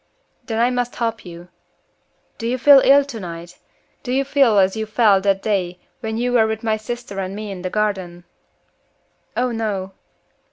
"Then I must help you. Do you feel ill tonight? Do you feel as you felt that day when you were with my sister and me in the garden?" "Oh no."